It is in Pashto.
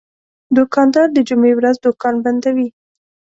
دوکاندار د جمعې ورځ دوکان بندوي.